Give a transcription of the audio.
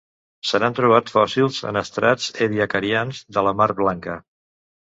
Se n'han trobat fòssils en estrats ediacarians de la mar Blanca.